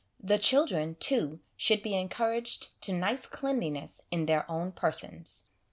The children, too, should be encour aged to nice cleanliness in their own persons.